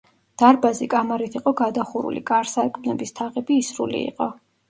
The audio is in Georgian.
დარბაზი კამარით იყო გადახურული, კარ-სარკმლების თაღები ისრული იყო.